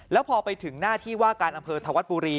แล้วพอไปถึงหน้าที่ว่าการอำเภอธวัฒน์บุรี